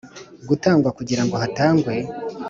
Gutangwa kugira ngo hatangwe